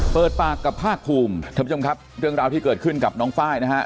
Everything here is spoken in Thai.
เปิดปากกับภาคภูมิเดือนราวที่เกิดขึ้นกับน้องฟ้ายนะฮะ